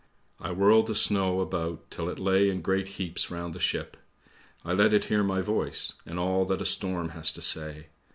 I whirled the snow about till it lay in great heaps round the ship. I let it hear my voice, and all that a storm has to say.